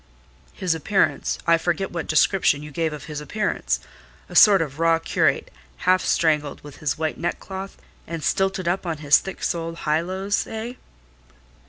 "His appearance,—I forget what description you gave of his appearance;—a sort of raw curate, half strangled with his white neckcloth, and stilted up on his thick soled high lows, eh?"